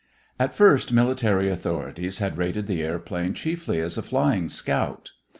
At first military authorities had rated the airplane chiefly as a flying scout.